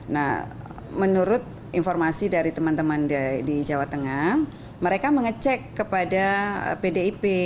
nah menurut informasi dari teman teman di jawa tengah mereka mengecek kepada pdip